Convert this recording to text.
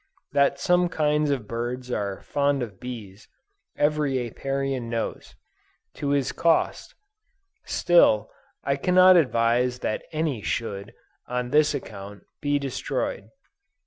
That some kinds of birds are fond of bees, every Apiarian knows, to his cost; still, I cannot advise that any should, on this account, be destroyed.